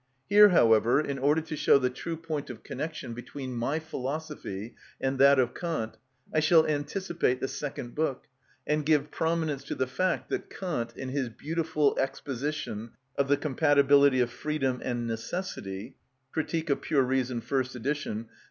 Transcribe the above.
Here, however, in order to show the true point of connection between my philosophy and that of Kant, I shall anticipate the second book, and give prominence to the fact that Kant, in his beautiful exposition of the compatibility of freedom and necessity (Critique of Pure Reason, first edition, p.